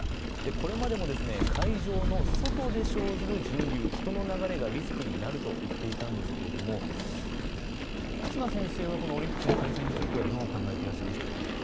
これまでも会場の外で生じる人流、人の流れがリスクになると言っていたんですが忽那先生はオリンピックの開催についてどう考えていますか。